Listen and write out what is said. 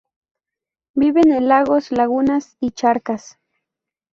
Viven en lagos, lagunas y charcas.